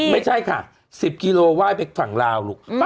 ไม่ใช่ค่ะ๑๐กิโลไหว้ไปฝั่งลาวลูก